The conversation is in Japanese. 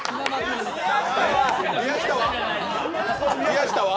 宮下は？